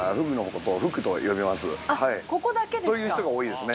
◆と言う人が多いですね。